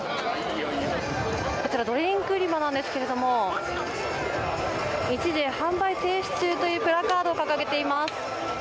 こちら、ドリンク売り場なんですけれども一時販売停止中というプラカードを掲げています。